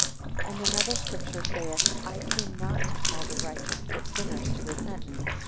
5 And another Scripture saith, I came not to call the righteous but sinners (to repentance).